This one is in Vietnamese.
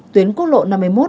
tuyến quốc lộ năm mươi một